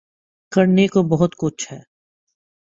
کرنے کو بہت کچھ ہے۔